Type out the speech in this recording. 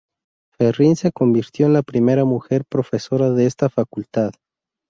Ferrín se convirtió en la primera mujer profesora de esta Facultad.